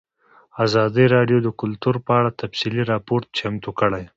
ازادي راډیو د کلتور په اړه تفصیلي راپور چمتو کړی.